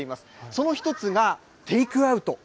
その一つがテイクアウト。